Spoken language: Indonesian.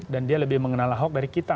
dan dia lebih mengenal ahok dari kita